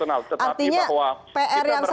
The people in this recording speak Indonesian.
artinya pr yang satu